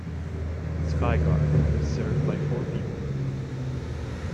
Skyguard is served by four people.